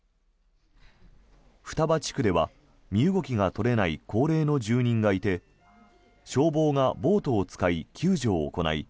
双葉地区では身動きができない高齢の住人がいて消防がボートを使い救助を行い